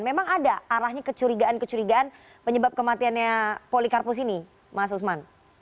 memang ada arahnya kecurigaan kecurigaan penyebab kematiannya polikarpus ini mas usman